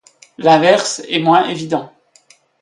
L'inverse est moins évident.